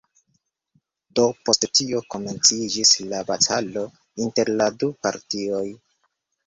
Do post tio komenciĝis la batalo inter la du partioj.